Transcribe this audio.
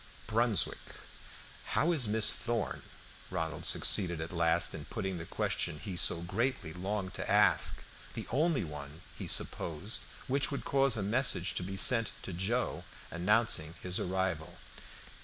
"Brunswick. How is Miss Thorn?" Ronald succeeded at last in putting the question he so greatly longed to ask the only one, he supposed, which would cause a message to be sent to Joe announcing his arrival.